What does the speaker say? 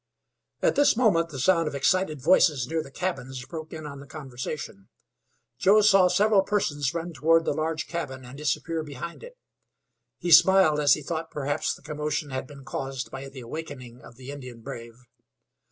At this moment the sound of excited voices near the cabins broke in on the conversation. Joe saw several persons run toward the large cabin and disappear behind it. He smiled as he thought perhaps the commotion had been caused by the awakening of the Indian brave.